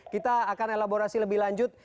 kita akan elaborasi lebih lanjut